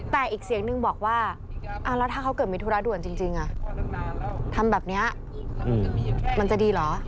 แต่อีกเสียงนึงบอกว่าแล้วถ้าเขาเกิดมีธุระด่วนจริงทำแบบนี้มันจะดีเหรอ